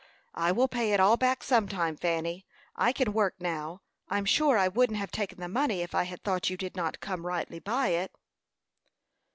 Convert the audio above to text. "I will pay it all back some time, Fanny. I can work now. I'm sure I wouldn't have taken the money if I had thought you did not come rightly by it."